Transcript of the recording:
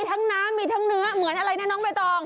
น้ำมีทั้งเนื้อเหมือนอะไรนะน้องใบตอง